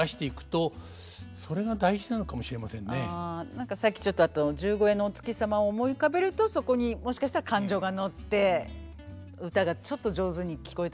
何かさっきちょっとあと十五夜のお月様を思い浮かべるとそこにもしかしたら感情が乗って唄がちょっと上手に聞こえたりするのかもしれないですね。